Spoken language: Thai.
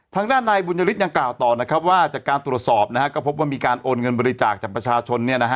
ทางด้านนายบุญยฤทธิยังกล่าวต่อนะครับว่าจากการตรวจสอบนะฮะก็พบว่ามีการโอนเงินบริจาคจากประชาชน